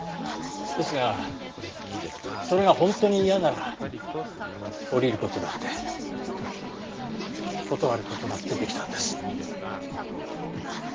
ですがそれが本当に嫌なら降りる事だって断る事だってできたんです。